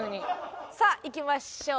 さあいきましょう。